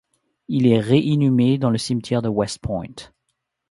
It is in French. Il est ré-inhumé dans le cimetière de West Point.